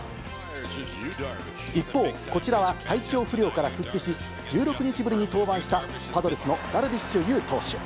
一方、こちらは体調不良から復帰し、１６日ぶりに登板したパドレスのダルビッシュ有投手。